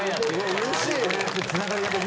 うれしい。